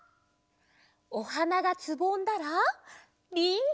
おはながつぼんだらりんご！